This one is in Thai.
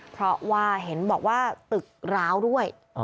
เพราะว่าเห็นบอกว่าตึกร้าวด้วย